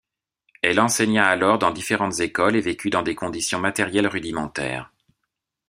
Elle enseigna alors dans différentes écoles et vécut dans des conditions matérielles rudimentaires.